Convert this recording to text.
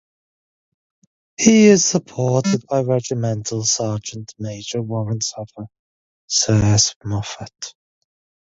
He is supported by Regimental Sergeant Major Warrant Officer S. Moffatt.